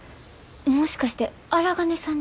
もしかして荒金さんですか？